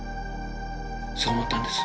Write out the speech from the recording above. そう思ったんです